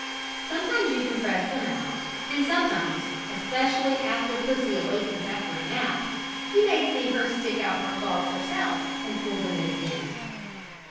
Sometimes you can press them out, and sometimes, especially after pussy awakens after a nap, you may see her stick out her claws herself and pull them in again.